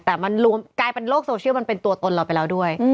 แต่มันรวมกลายเป็นโลกโซเชียลมันเป็นตัวตนเราไปแล้วด้วย